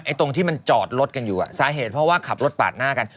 ตรงที่มันจอดรถกันอยู่สาเหตุเพราะว่าขับรถปาดหน้ากัน